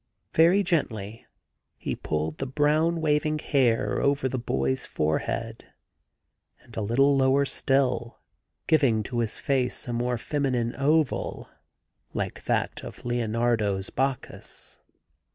Very gently he pulled the brown waving hair over the boy's forehead, and a little lower still, giving to his face a more feminine oval, like that of Leonardo's 'Bacchus.